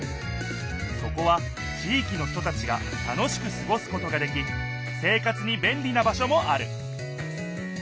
そこは地いきの人たちが楽しくすごすことができ生活にべんりな場所もある